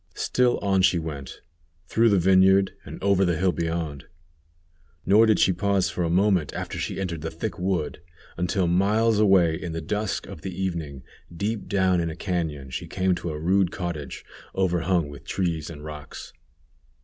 Still on she went, through the vineyard, and over the hill beyond; nor did she pause for a moment after she entered the thick wood, until miles away in the dusk of the evening, deep down in a cañon she came to a rude cottage overhung with trees and rocks.